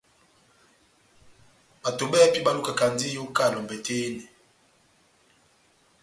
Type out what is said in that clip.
Bato bɛ́hɛ́pi balukakandini iyoka elombɛ tɛ́h yehenɛ.